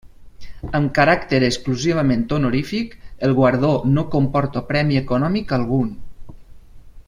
Amb caràcter exclusivament honorífic, el guardó no comporta premi econòmic algun.